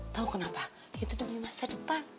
tahu kenapa itu demi masa depan